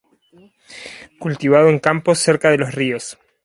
Cultivado en campos cerca de los ríos.